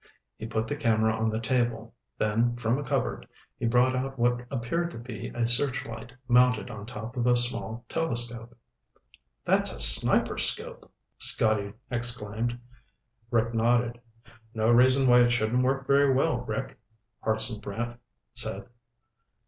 He put the camera on the table, then from a cupboard he brought out what appeared to be a searchlight mounted on top of a small telescope. "That's a sniperscope!" Scotty exclaimed. Rick nodded. "No reason why it shouldn't work very well, Rick," Hartson Brant said.